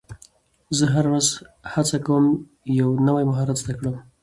زه هره ورځ هڅه کوم یو نوی مهارت زده کړم